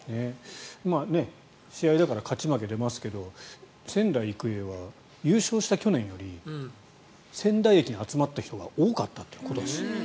試合だから勝ち負け出ますけど仙台育英は優勝した去年より仙台駅に集まった人が多かったという、今年。